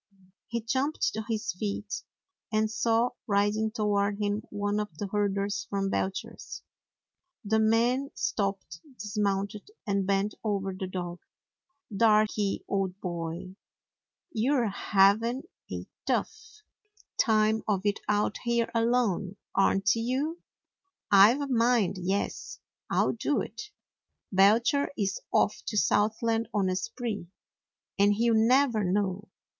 He jumped to his feet, and saw riding toward him one of the herders from Belcher's. The man stopped, dismounted, and bent over the dog. "Darky, old boy, you 're having a tough 121 DOG HEROES OF MANY LANDS time of it out here alone, are n't you? I 've a mind — yes, I 'll do it ! Belcher is off to Southland on a spree, and he 'll never know.